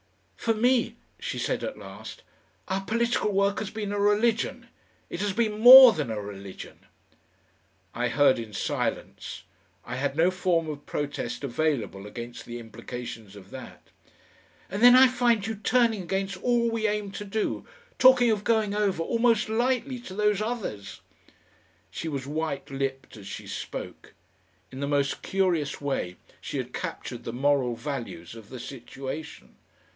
"For me," she said at last, "our political work has been a religion it has been more than a religion." I heard in silence. I had no form of protest available against the implications of that. "And then I find you turning against all we aimed to do talking of going over, almost lightly to those others."... She was white lipped as she spoke. In the most curious way she had captured the moral values of the situation.